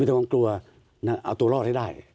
มีแต่ความกลัวเอาตัวลอดให้ได้